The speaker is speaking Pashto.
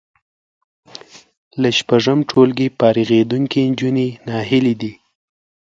له شپږم ټولګي فارغېدونکې نجونې ناهیلې دي